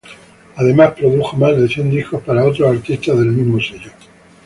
Además produjo más de cien discos para otros artistas del mismo sello.